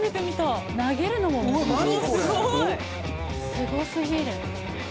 すごすぎる。